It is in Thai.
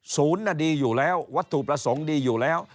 ดีอยู่แล้ววัตถุประสงค์ดีอยู่แล้ว